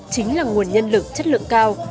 chính là nguồn nhân lực chất lượng cao